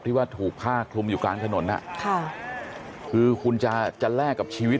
ที่ว่าถูกผ้าคลุมอยู่กลางถนนอ่ะค่ะคือคุณจะจะแลกกับชีวิต